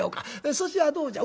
そちはどうじゃ？